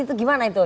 itu gimana itu